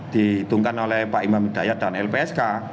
dihitungkan oleh pak imam hidayat dan lpsk